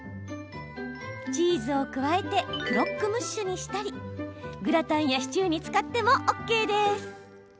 チーズを加えてクロックムッシュにしたりグラタンやシチューに使ってもＯＫです。